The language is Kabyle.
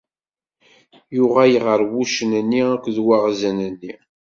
Yuɣal ɣer wuccen-nni akked Waɣzen-nni.